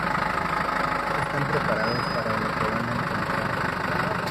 No están preparados para lo que van a encontrar.